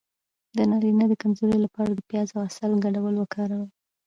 د نارینه د کمزوری لپاره د پیاز او عسل ګډول وکاروئ